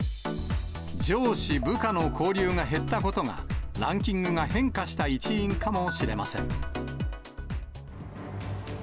上司、部下の交流が減ったことが、ランキングが変化した一因かもしれません。